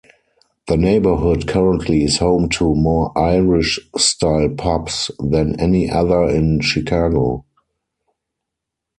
The neighborhood currently is home to more Irish-style pubs than any other in Chicago.